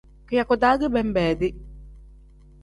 Kiyaku-daa ge benbeedi.